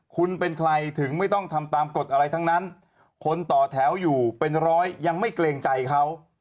คุณเป็นใครถึงไม่ต้องทำตามกฎอะไรทั้งนั้นคนต่อแถวอยู่เป็นร้อยยังไม่เกรงใจเขา